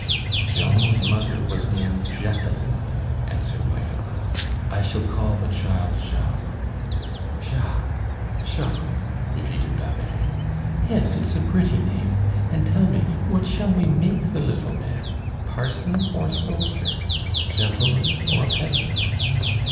"Jean's mother was named Jacqueline," answered my uncle. "I shall call the child Jacques." "Jacques, Jacques," repeated Babet. "Yes, it's a pretty name. And, tell me, what shall we make the little man: parson or soldier, gentleman or peasant?"